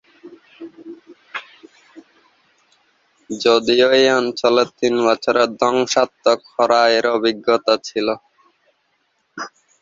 যদিও এই অঞ্চলের তিন বছরের ধ্বংসাত্মক খরা এর অভিজ্ঞতা ছিল।